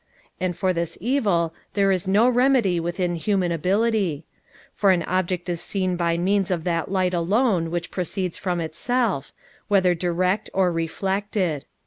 And for this evil there is no remedy within human ability; for an object is seen by means of that light alone which proceeds from itself, whether direct or reflected.